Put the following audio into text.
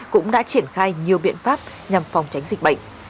cũng đã triển khai nhiều biện pháp nhằm phòng tránh dịch bệnh